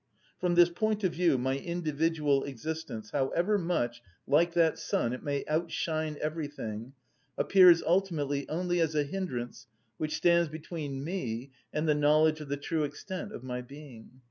From this point of view my individual existence, however much, like that sun, it may outshine everything, appears ultimately only as a hindrance which stands between me and the knowledge of the true extent of my being.